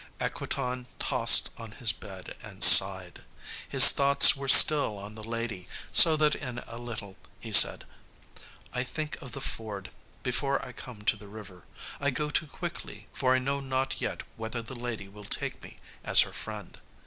Equitan tossed on his bed, and sighed. His thoughts were still on the lady, so that in a little he said, "I think of the ford, before I come to the river. I go too quickly, for I know not yet whether the lady will take me as her friend.